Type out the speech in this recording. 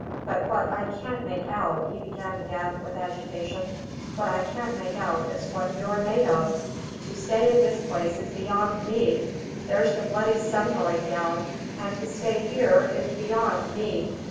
"But what I can't make out," he began again, with agitation, "what I can't make out is what you're made of! To stay in this place is beyond me. There's the bloody sun going down and to stay here is beyond me!"